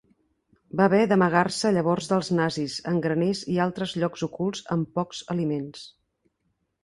Van haver d'amagar-se llavors dels nazis, en graners i altres llocs ocults amb pocs aliments.